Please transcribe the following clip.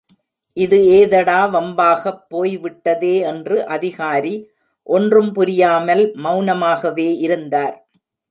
இது ஏதடா வம்பாகப் போய்விட்டதே என்று அதிகாரி ஒன்றும் புரியாமல் மெளனமாகவே இருந்தார்.